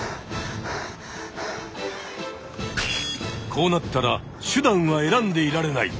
こうなったら手段は選んでいられない。